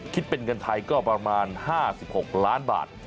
คิดเป็นเงินไทยก็ประมาณ๕๖ล้านบาท